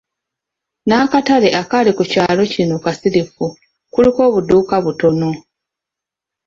N'akatale akali ku kyaalo kino kasirifu, kuliko obuduuka butono.